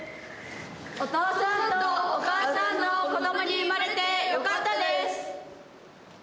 お父さんとお母さんの子どもに生まれてよかったです。